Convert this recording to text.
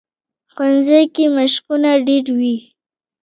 ښوونځی کې مشقونه ډېر وي